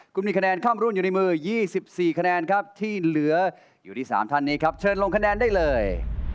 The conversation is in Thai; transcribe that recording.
คุณมีคะแนนข้ามรุ่นอยู่ในมือ๒๔คะแนนครับที่เหลืออยู่ที่๓ท่านนี้ครับเชิญลงคะแนนได้เลย